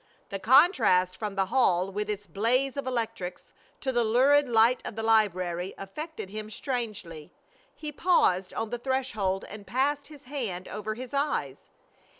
The contrast from the hall with its blaze of electrics to the lurid light of the library affected him strangely. He paused on the threshold and passed his hand over his eyes.